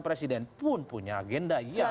presiden pun punya agenda yang